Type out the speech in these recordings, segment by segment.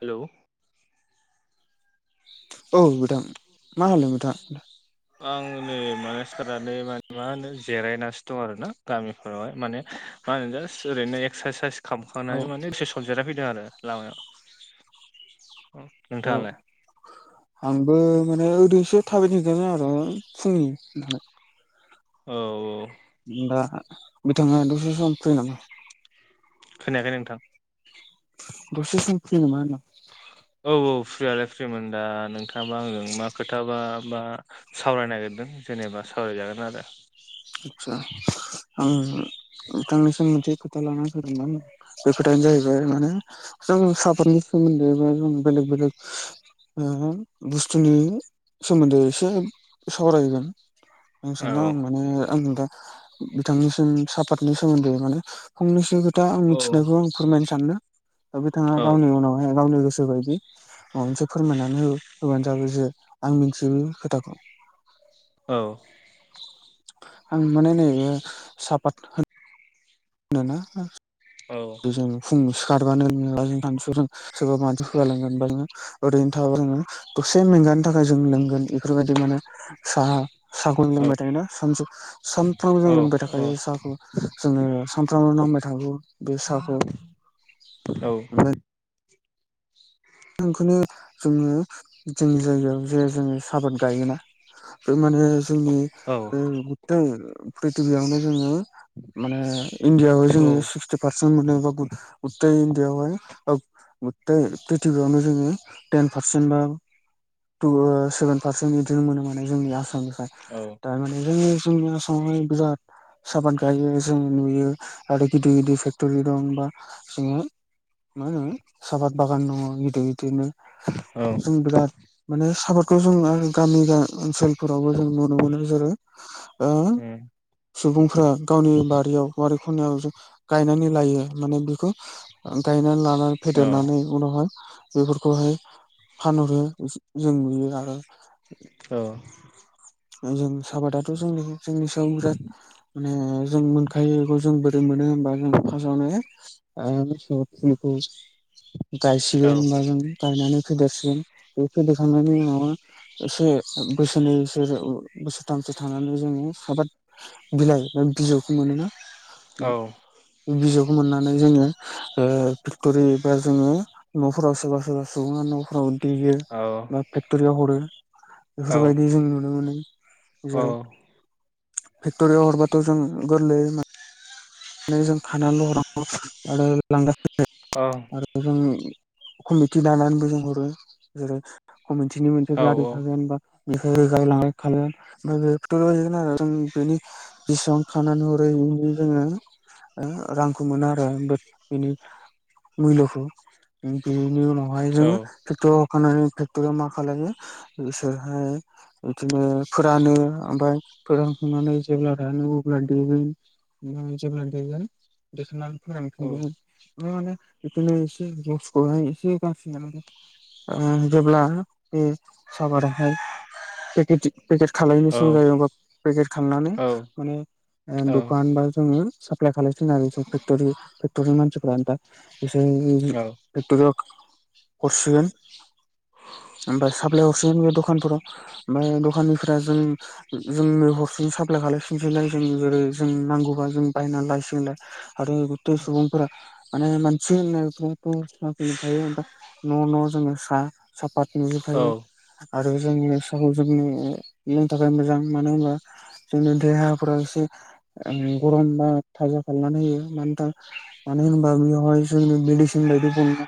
Hello औ नोंथां मा होनो नोंथां [inaudible] आं नै माने सिखारनै माने मा होनो जिरायनानैसो दं आरोना गामिफोरावहाय माने मा होनो जास्ट ओरैनो एक्सारसाइस औ खालामखांनानै माने प्रेस जेराय फैदों आरो लामायाव औ नोंथाङालाय आंबो माने ओरैसो थाबायदिंदों आरो फुंनि औ औ दा बिथाङा दसे सम फ्रि नामा खोनायाखै नोंथां दसे सम फ्रि नामा होनदों औ औ फ्रियालाय फ्रिमोन दा नोंथाङाबा आंजों मा खोथाबा मा सावरायनो नागिरदों जेनेबा सावरायजागोन आरो आदसा आं नोंथांनिसिम मोनसे खोथा लानानै फैदोंमोन बे खोथायानो जाहैबाय माने जों सापादनि सोमोनदै बा बेलेग बेलेग बुसथुनि सोमोनदै एसे सावरायगोन आं सानो आं माने आं दा बिथांनिसिम सापादनि सोमोनदै माने फंनैसो खोथा आं औ मिथिनायखौ आं फोरमायनो सानदों दा बिथाङा औ गावनि उनावहाय गावनि गोसोबायदि माबा मोनसे फोरमायनानै हो होबानो जाबाय जे आं मिथियै बे खोथाखौ औ आं माने नैबे साहापात होन होनोना औ जों फुं सिखारबानो [unintelligible] सोरबा मानसिफोरा लिंलांबानो ओरैनो थाब जोङो दसे मेंगानि थाखाय जों लोंगोन एफोरबायदि माने साहा साहाखौ लोंबाय थायोना सान सानफ्रामबो औ जों लोंबाय थाखायो साहाखौ जोंङो सानफ्रामबो नांबाय थागौ बे साहाखौ औ [inaudible] बेखौनो जोंङो जोंनि जायगायाव जे जोंङो साफाद गायोना बे माने जोंनि गथाय प्रिथ्बियावनो जोंङो माने इण्डियाआव औ जोंङो सिस्ते फारसेनट मोनो गथाय इन्दियायाव हाय ओ गुथाय प्रिथ्बियावनो जोङो टेन पारसेन्ट बा टु सेभेन पारसेन्ट बिदिनो मोनो जोंनि आसामनिफ्राय औ थारमाने जों जोंनि आसामावनो बिराद साफाद गायो जों नुयो आरो गिदिर गिदिर फेक्टरि दं बा जोङो मा होनो साफाद बागान दंङो गिदिर गिदिरनो औ जों बिराद माने सापाटखौ जों आरो गामि ओनसोलफोरावबो जों नुनो मोनो जेरै ओ सुबुंफ्रा गावनि बारियाव बारि खनायाव जों गायनानै लायो माने बेखौ गायनानै लानानै फेदेरनानै उनावहाय बेफोरखौहाय फानहरो जों नुयो आरो औ जों सााबाादाथ जोंनि जोंनि सायाव बिराद माने जों मोनखायो इखौ जों बोरै मोनो होमबा जों फार्स्टआवनो फुलखौ गायसिगोन होनबा जों गायनानै फेदेरसिगोन बे फेदेरखांनायनि उनाव एसे बोसोरनै बोसोर बोसोरथामसो थांनानै जोंङो साबाद बिलाइ बा बिजौखौ मोनोना औ बिजौखौ मोननानै जोंङो फेक्टरि बा जोंङो न'फोराव सोरबा सोरबा सुबुंङा न'फोराव देयो औ बा फेक्टरियाव हरो दा बेफोरबायदि जों नुनो मोनो जेरै फेक्टरियाव हरबाथ जों गोरलैयै जों खानानैल हरनांगौ आरो लांग्राफोरनो ओं आरो जों कमिटि दानानैबो जों हरो जेरै कमटिनि मोनसे गारि थागोन बा [unintelligible] जों बेनि बिसिबां खानानै हरोनो जोङो। रांखौ मोनो आरो बेनि मुल्यखौ बेनि उनावहाय जोंङो। क्टरख फक्टरि मा खालायोहाय बिदिनो फोरानो ओमफ्राय फोरानखांनानै जेब्ला रानो अब्ला देगोन जेब्ला देगोन देखांनानै। [unintelligible] माने बिदिनो एसे [unintelligible] एसे गासिनो माने जेब्ला बे साफाराहाय पेकेट खालनाय सम जायोबा पेकेट खानानै माने दखान बा जोंङो। सप्लााय खालामाय आरोक्टर फेक्टरि मानसिफोरा एकट हरसिगोन ओमफ्राय साप्लइ हरसिगोन बे दखानफोराव। ओमफ्राय दखाननिफ्रा जों जोंनो हरसेजों साप्लाय खालायफिननोसैलाय जों जेरै जों नांगौबा जों। बायनानै लायसिगोन आरो खथाय सुबुंफोरा खौ नुखायोा न' न' जोङो साहा साफात नुजोबखायो आरो जोंङोनि साहाखौ जोंनोनो थाखाय मोजां मानो होनबा। जोंनि देहाफोरा एसे गरम थाजा खालामनानै होयो मानोा मानो होनबा बेवहाय जोंनि मेडिसिन बायदि बनानै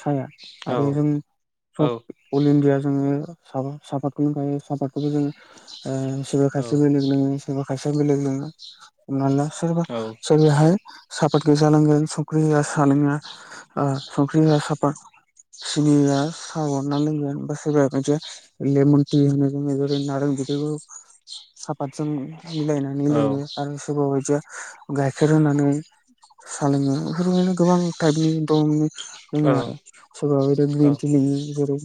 साया आरो जों जब अल इण्डिया जोङो सा सापातोंखायो सापातबो जोङो सोरबा खायसेया बेलेग लोंङो सोरबा खायसेया बेलेग लोंङो हमना ला सोरबा सोरबाहाय। सापातखौ जालांगोन संख्रि होआ सालङा संख्रि होआ सापात सिनि [unintelligible] लोंगोन बा सोरबाया बिदिसे लेमन टि होङो जेरै नारें बिदै साफातसो मिलायनानै लोङो आरो सोरबा बायदिया गाइखेर होनानै साोलोङो बेफोरबायदिनो गोबां टाइपनि दंनि लोङो आरो सोरबाा बिदिनो ग्रिन टि लिङो जेरै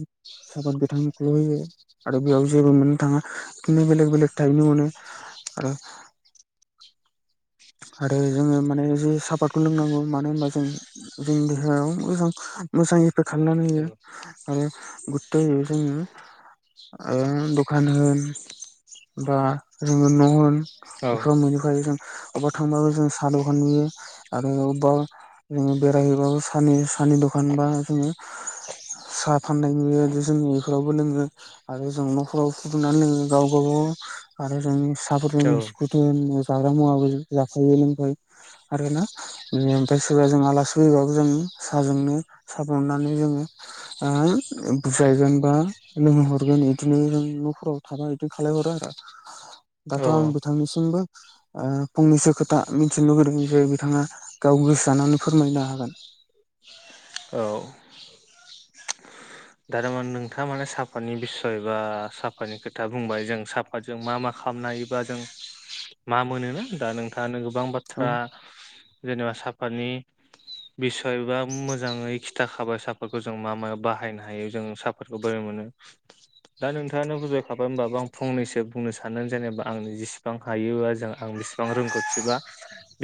सापाद गोथांखौ होयो। आरो बेयाव जेबो मोननो थाङा बिदिनो बेलेक बेलेक थाहैनो मोनो आरो। आरो जोङो माने जे सापातखौ लोंनांगौ मानो होनबा जों जोंनि देहायाव मोज मोजां इफेक्ट खालामनानै होयो आरो गुरथाय होयो जोङो। दखान होनबा जोङो न' होन बेफोराव मोननिख जों अबेबा थांबाबो जों साहा दखान नुयो आरो अबेबा जोङो बेरायहैबाबो स सानि दखान बा जोङो। साहा फाननाय नुयो जोंङो बेफोरावबो लोङो। आरो जों न'खराव फुदुंनानै लोङो गाव गागाव आरो जों फिाहाफोर द सिखुदों जाग्रा मुवाबो जाफायो लोंफायो आरोना बे ओमफ्राय सोरबा जों आलासि फैबावो जो साहाजोंनो साहा बननानै जोङो। बुजायगोन बा लोंहहरगोन बिदिनो जों न'फोराव थाबा बिदिनो खालामलायहरो आरो। दाथ' आं बिथांनिसिमबो फंनैसो खोथा मिथिनो लुगैदों जे बिथाङा गाव गोसो जानानै फोरमायनो हागोन। औ दमाने नोंथाङा माने साफानि बिसय बा साफानि खोथा बुंबाय जों साफ जों मा मा खालामनो हायोबा जों मा मोनोना दा नोंथाङानो गोबां औ बाथ्रा। था जेनेबा सापतनि बिसयबा मोजाङै खिथाखाबायसाफोरखौ जों मा मा बाहायनो हायो जों सापातखौ बोरै मोनो। दा नोंथाङानो बुजायखाबाय होनबाबो आं फंनैसो बुंनो साननानैानो जेनेबा आंनि जेनेबा बिबां हायोबा जों आं बिसिबां रोंगौथिबा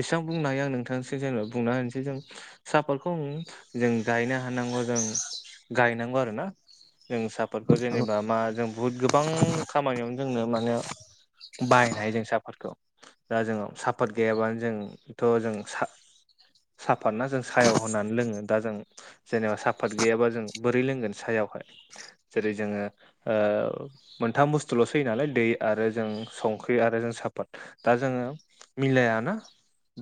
बेसेबां बुंनो हायो आं नोंथांसो जेनेबा बुंना होनोसै जों साहाफोरखौ जों गायनो हानांगौ जों गायनांगौ आरो ना जों सापाथखौ औ जेनेबा मा जों बहुद गोबां खामानियावनो जोंनो माने बाहायनो हायो जों साफातखौ दा जोंनाव साफात गैयाबानो जोंथ' जों साफात ना जों सायाव होनानै लोङो दा जों जेनेबा साफात गैयाबा जों बोरै लोंगोन सायावहाय जेरै जोङो ओ मोनथाम बुस्थुल'सो होयो नालाय दै आरो जों संख्रि आरो जों साफात दा जोङो मिलायाना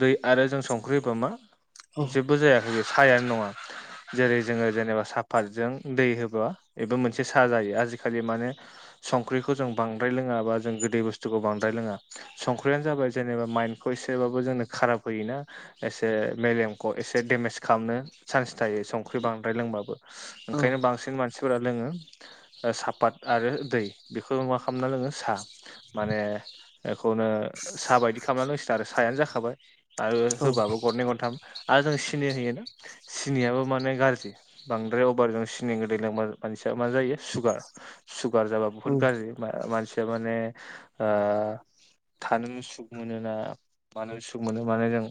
दै आरो जों संख्रि होबा मा औ जेबो जायाखै सायानो नङा जेरै जोङो जेनेबा सा पातजों दै होबा बेबो मोनसे साहा जायो आजिखालि माने संख्रिखौ जों बांद्राय लोङा बा जों गोदै बुस्थुखौ बांद्राय लोङा संख्रियानो जाबाय जेनेबा माइन्दखौ एसेबाबो जोंनो खाराब होयोना एसे मेलेमखौ एसे डेमेज खालामनो चान्स थायो संख्रि बांद्राय लोंबाबो ओंखायनो औ बांसिन मानसिफोरा लोङो ओ सापत आरो दै बेखौ मा खालामना लोङो साहा माने बेखौनो साहा बायदि खालामना लोंसिगोन आरो साहायानो जाखाबाय आरो होबाबो गरनै गनथाम आरो जों सिनि होयोना सिनियाबो माने गाज्रि बांद्राय अभारजों सिनि गोदै लोंबा मानसिया मा जायो सुगार सुगार जाबा बुहुत औ गाज्रि मा मानसिया माने आ थानो सुख मोनोना मानो सुख मोनो माने जों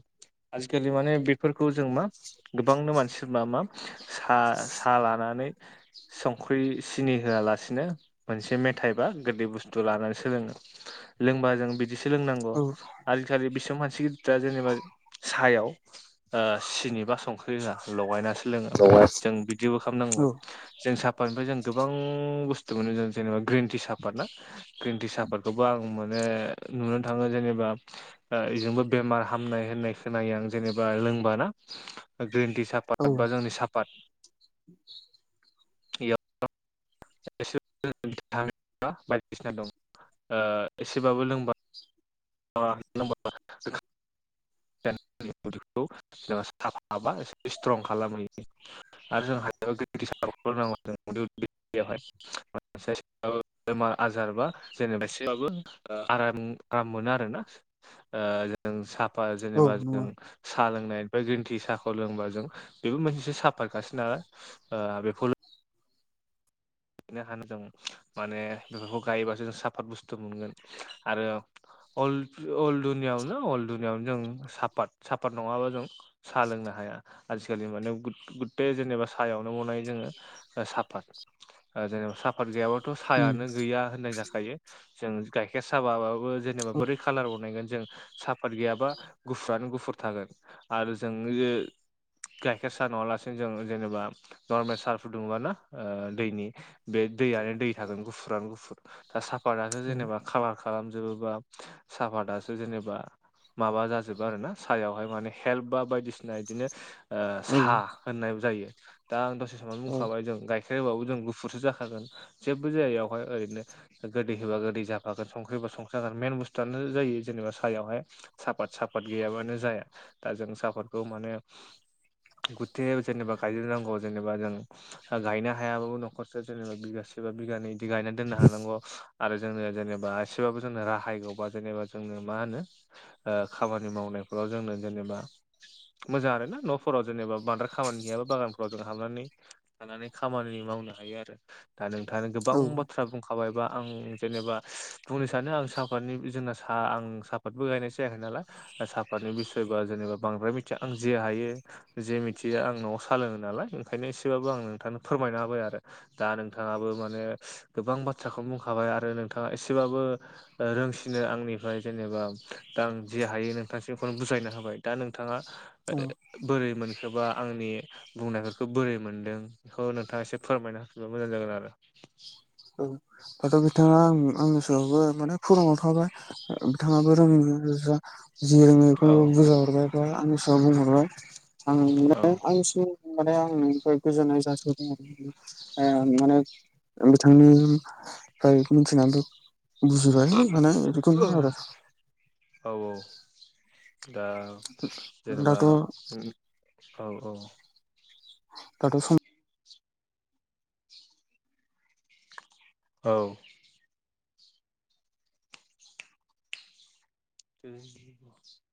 आजिखालि माने बेफोरखौ जों मा गोबांनो मानसिफोरना मा सा साहा लानानै संख्रि सिनि होआलासिनो मोनसे मेथाइ बा गोदै बुस्थु लानानै सोलोङो लोंबा जों बिदिसो लोंनांगौ औ आजिखालि बिसबां मानसि गिदिरा जेनेबा सायाव ओ सिनि बा संख्रि लोङा लगायनासो लोङो औ जों बिदिबो औ खालामनांगौ जों सापातनिफ्राय जों गोबां बुस्थु मोनो जों जेनेबा ग्रिन टि सापात ना ग्रिन टि सापातखौबो आं माने नुनो थाङो जेनेबा बेजोंबो बेमार हामनाय होननाय खोनायो आं जेनेबा लोंबाना ग्रिन टि साफ औ फाद बा जोंनि सापात [inaudible] इयाव [unintelligible] बायदिसिना दं ओ एसेबाबो लोंबा [unintelligible] [unintelligible] एसे स्ट्रं खालामहैयो आरो जों [unintelligible] [unintelligible] बेमार आजार बा जेनेबा सेबाबो आराम आराम मोनो आरो आरोना ओ जों साफा औ जेनेबा जों नंगौ साहा लोंनायनायनिफ्राय ग्रिन टि साहाखौ लोंबा जों बेबो मोनसेसो साफातखानो नालाय ओ बेखौ नो हानो जों माने बेफोरखौ गायोबासो जों साफात बुस्थु मोनगोन आरो अल दुनियाआवनो अल दुनियाआवनो जों सापात सापात नङाबा जों साहा लोंनो हाया आजिखालि माने गुथथाय जेनेबा साहायावनो बनाय जोङो ओ साफात जेनेबा साफात गैयाबाथ' उम साहायानो गैया होननाय जाखायो जों गाइखेर साबाबो जेनेबा औ बोरै कालार बनायगोन जों साफात गैयाबा गुफुरानो गुफुर थागोन आरो जों गाइखेर साहा नङा लासिनो जों जेनेबा नर्मेल सा फुदुङोबा ना ओ दैनि बे दैआनो दै थागोन गुफुरानो गुफुर दा साफातासो औ जेनेबा खालार खालामजोबोबा साहाफातासो जेनेबा माबा जाजोबो आरो ना सायावहाय माने हेल्प बा बायदिसिना बिदिनो ओ औ साहा होननाय जायो दा आं दसे समनो औ बुंखाबाय जों गाइखेर होबाबो जों गुफुरसो जाखागोन। जेबबो जायावहाय ओरैनो गोदै होबा गोदै जाफागोन संख्रि होबा संख्रि जागोन मेन बुस्थुआनो जायो जेनेबा सायावहाय। साफात साफात गैयाबानो जाया दा जों सापातखौ माने गुथे जेनेबा गायज्रनांगौ जेनेबा जों गायनो हायाबाबो न'खरसो जेनेबा बिगासे बा बिगानि बिदि गायनानै दोननो हानांगौ। आरो जोंनो जेनेबा एसेबाब जोंनो राहायगौबा जेनेबा जोंनो मा होनो। खामानि मावनायफोराव जोंनो जेनेबा मोजां आर ना न'फोराव जेनेबा बांद्राय खामानि गैयाबा बागानफोराव जों हाबनानै लानानै खामानि मावनो हायो आरो दा नोंथाङा गोबां बाथ्रा बुं खाबायबा आं जेनेबा बुंनो सानो आं साफातनि जोंना साहा आं साफातबो गायनाय जायाखै नालाय साफातनि बिसय बा जेनेबा बांद्राय मिथिया आं जे हायो। जे मिथिया आं न'आव साोलोङो नालाय ओंखायनो एसेबाबो आं नोंथांनो फोरमायना हाबाय आरो। दा नोंथाङाबो माने गोबां बाथ्राखौनो बुंखाबाय आरो नोंथाङा एसेबाबो रोंसिनो आंनिफ्राय जेनेबा दा आं जे हायो नोंथांसिम बेखौनो बुजायना होबाय दा नोंथाङा बोरै मोनखोबा आंनि बुंनायफोरखौ बोरै मोनदों बेखौ नोंथाङा एसे फोरमायना होफा मोजां जागोन आरो। औ दाथ' बिथाङा आं आंनि सायावबो माने फोरुव थाबाय। बिथाङाबो रङिनि रोजा जि रोङो औ बेखौनो बुजायहरबाय बा आंनि सिगाव बुंहरबाय आं मे आंनि सि माने आं गोजोननाय जाासदों आरो माने। बिथांनिफ्राय मिथिनानैथ' बुजिबाय मानाय बेखौनो आरो औ औ दा जेनेबा दाथ' औ औ। दाथ' स औ। द [inaudible]